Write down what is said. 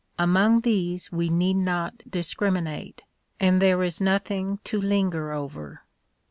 Among these we need not discriminate, and there is nothing to linger over.